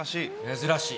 珍しい。